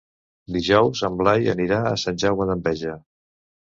Dijous en Blai anirà a Sant Jaume d'Enveja.